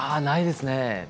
ないですね。